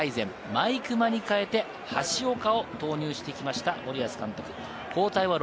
毎熊に代えて橋岡を投入してきました、森保監督。